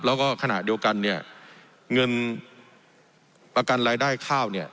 แล้วก็ขณะเดียวกันเนี่ยเงินประกันรายได้ข้าวเนี่ย